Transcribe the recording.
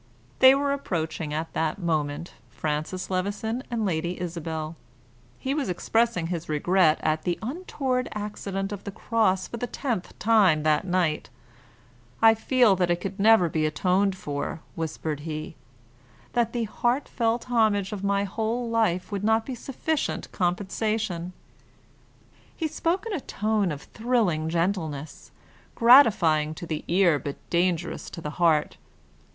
They were approaching at that moment, Francis Levison and Lady Isabel. He was expressing his regret at the untoward accident of the cross for the tenth time that night. "I feel that it can never be atoned for," whispered he; "that the heartfelt homage of my whole life would not be sufficient compensation." He spoke in a tone of thrilling gentleness, gratifying to the ear but dangerous to the heart.